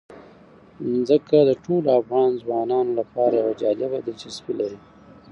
ځمکه د ټولو افغان ځوانانو لپاره یوه جالبه دلچسپي لري.